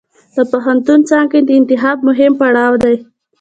د پوهنتون څانګې د انتخاب مهم پړاو دی.